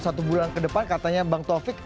satu bulan ke depan katanya bang taufik